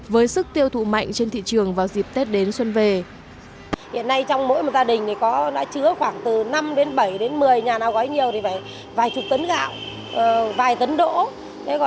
với sức tiêu thụ mạnh trên thị trường vào dịp tết đến xuân về